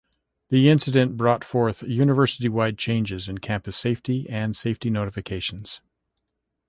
The incident brought forth university-wide changes in campus safety and safety notifications.